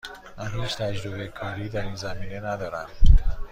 من هیچ تجربه کاری در این زمینه ندارم.